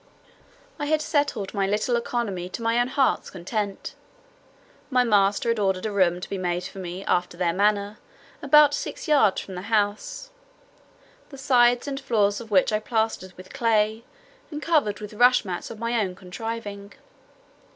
I had settled my little economy to my own heart's content. My master had ordered a room to be made for me, after their manner, about six yards from the house: the sides and floors of which I plastered with clay, and covered with rush mats of my own contriving.